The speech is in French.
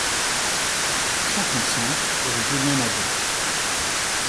cinquante-cinq rue Julien Nadau